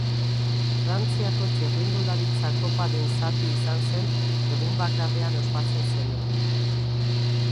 Frantziako Txirrindularitza Koparen zati izan zen egun bakarrean ospatzen zenean.